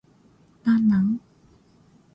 何なん